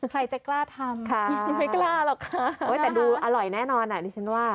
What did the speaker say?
ใครจะกล้าทำไม่กล้าหรอกค่ะแต่ดูอร่อยแน่นอนอ่ะดิฉันว่า